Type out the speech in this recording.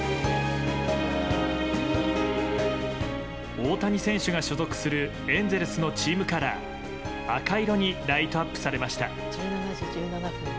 大谷選手が所属するエンゼルスのチームカラー赤色にライトアップされました。